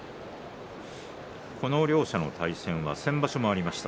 この両者の対戦は先場所もありました。